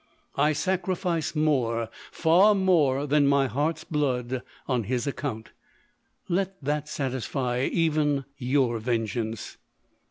I sacrifice more, far more, than my heart's blood on his account — let that satisfy even your vengeance.